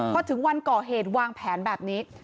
พอถึงวันก่อเหตุวางแผนแบบนี้